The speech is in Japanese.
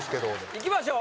いきましょう